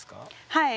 はい。